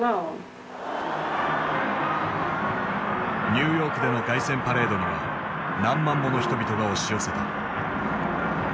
ニューヨークでの凱旋パレードには何万もの人々が押し寄せた。